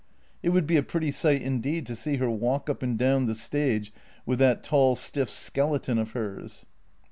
It would be a pretty sight indeed to see her walk up and down the stage with that tall, stiff skeleton of hers.